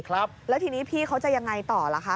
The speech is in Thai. ครับแล้วทีนี้พี่เขาจะยังไงต่อล่ะคะ